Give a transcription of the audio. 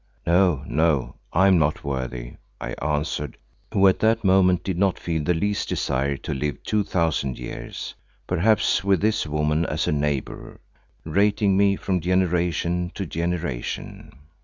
"No, no, I am not worthy," I answered, who at that moment did not feel the least desire to live two thousand years, perhaps with this woman as a neighbour, rating me from generation to generation.